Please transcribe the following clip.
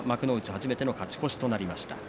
初めての勝ち越しとなりました。